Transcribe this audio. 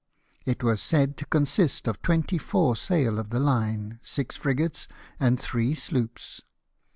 It was said to consist of twenty four sail of the line, six frigates, and three sloops.